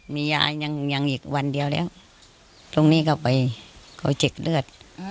มียายังอีกวันเดียวแล้วตรงนี้ก็ไปเขาเจ็บเลือด